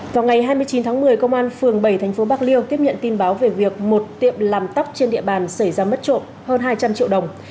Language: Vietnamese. vào ngày hai mươi chín tháng một mươi công an phường bảy tp bạc liêu tiếp nhận tin báo về việc một tiệm làm tóc trên địa bàn xảy ra mất trộm hơn hai trăm linh triệu đồng